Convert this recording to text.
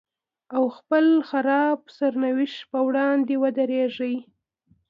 او خپل خراب سرنوشت په وړاندې ودرېږي.